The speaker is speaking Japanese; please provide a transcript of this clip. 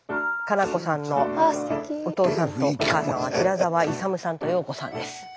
加那子さんのお父さんとお母さんは寺澤勇さんと洋子さんです。